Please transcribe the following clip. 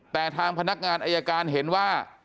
แต่ทางพนักงานอายการเห็นว่า